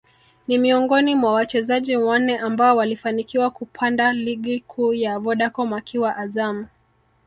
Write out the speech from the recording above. ni miongoni mwa wachezaji wanne ambao walifanikiwa kupanda Ligi Kuu ya Vodacom akiwa Azam